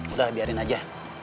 udah biarin aja